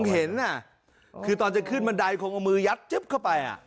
เห็นน่ะคือตอนจะขึ้นบันไดคงเอามือยัดจึ๊บเข้าไป